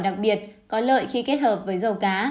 đặc biệt có lợi khi kết hợp với dầu cá